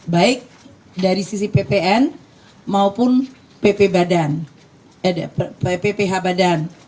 baik dari sisi ppn maupun pph badan